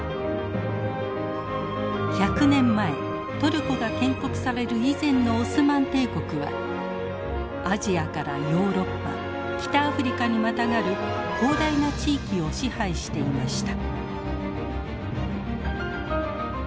１００年前トルコが建国される以前のオスマン帝国はアジアからヨーロッパ北アフリカにまたがる広大な地域を支配していました。